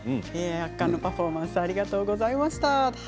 圧巻のパフォーマンスありがとうございました。